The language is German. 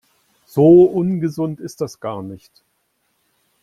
So ungesund ist das gar nicht.